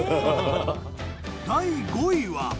第５位は。